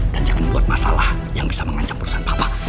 dan jangan buat masalah yang bisa mengancam perusahaan papa